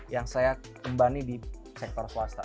yang saya kembali di sektor swasta